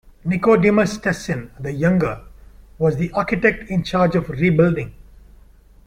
Nicodemus Tessin the Younger was the architect in charge of rebuilding.